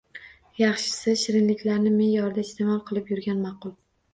Yaxshisi, shirinliklarni me’yorida iste’mol qilib yurgan ma’qul.